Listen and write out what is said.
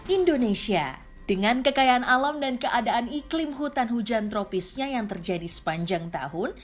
indonesia dengan kekayaan alam dan keadaan iklim hutan hujan tropisnya yang terjadi sepanjang tahun